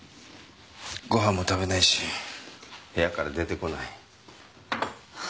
ご飯も食べないし部屋から出てこない。